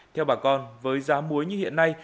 theo bà con với giá muối như hiện nay